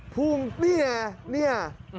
พุ่งนี่